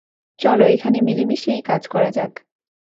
চলো এখানে মিলেমিশেই কাজ করা যাক।